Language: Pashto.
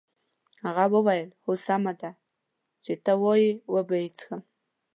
هغه وویل هو سمه ده چې ته وایې وبه یې څښم.